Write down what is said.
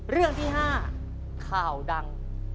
เรื่องที่๕ข่าวดัง